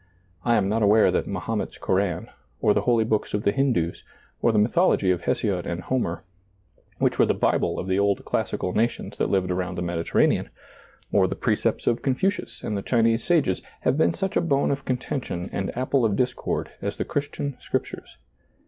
I am not aware that Mahomet's Koran, or the holy books of the Hindoos, or the mythology of Hesiod and Homer — which were the Bible of the old classical nations that lived around the Mediterranean — or the precepts of Confu cius and the Chinese sages, have been such a bone of contention and apple of discord as the Christian Scriptures.